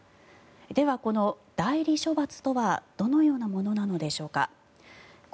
では、この代理処罰とはどのようなものなのでしょうか。